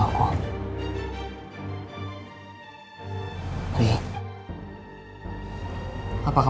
akuf oke bisa bukan karena apa apa